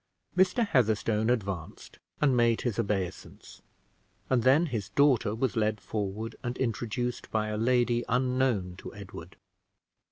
Mr. Heatherstone advanced and made his obeisance, and then his daughter was led forward, and introduced by a lady unknown to Edward.